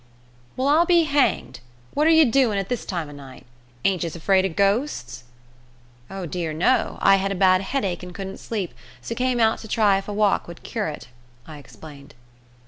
"Well, I'll be hanged! What are ye doin' at this time ev night. Ain't yuz afraid of ghosts?" "Oh dear no. I had a bad headache and couldn't sleep, so came out to try if a walk would cure it," I explained.